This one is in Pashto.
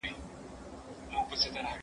زه کتابونه نه وړم،